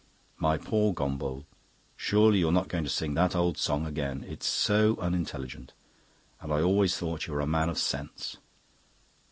My poor Gombauld! Surely you're not going to sing that old song again. It's so unintelligent, and I always thought you were a man of sense."